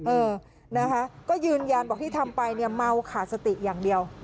เออนะคะก็ยืนยันบอกที่ทำไปเนี่ยเมาขาดสติอย่างเดียว